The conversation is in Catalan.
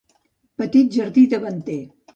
Petit jardí davanter.